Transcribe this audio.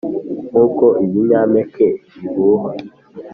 nkuko ibinyampeke bihuha